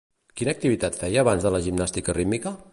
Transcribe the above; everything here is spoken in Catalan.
Quina activitat feia abans de la gimnàstica rítmica?